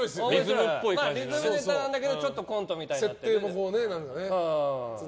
リズムネタなんだけどちょっとコントみたいな感じで。